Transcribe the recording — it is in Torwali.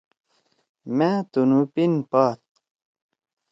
مأ تُنُو پِن پاد۔